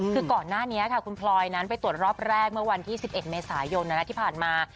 คือก่อนหน้านี้ค่ะคุณพลอยนั้นไปตรวจรอบแรกเมื่อวันที่๑๑เมษายนที่ผ่านมา